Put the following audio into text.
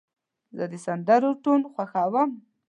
زه د سندرو ټون خوښوم.